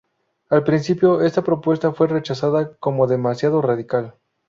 Al principio esta propuesta fue rechazada como demasiado radical.